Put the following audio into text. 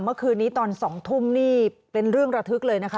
เมื่อคืนนี้ตอน๒ทุ่มนี่เป็นเรื่องระทึกเลยนะคะ